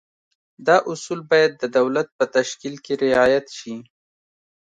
دا اصول باید د دولت په تشکیل کې رعایت شي.